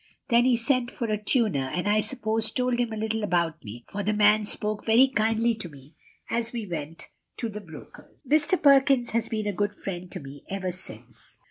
Then he sent for a tuner, and I suppose told him a little about me, for the man spoke very kindly to me as we went to the broker's. "Mr. Perkins has been a good friend to me ever since.